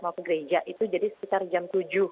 mau ke gereja itu jadi sekitar jam tujuh